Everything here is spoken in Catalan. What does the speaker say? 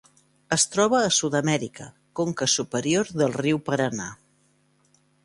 Es troba a Sud-amèrica: conca superior del riu Paranà.